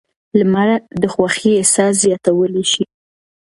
لمر د خوښۍ احساس زیاتولی شي.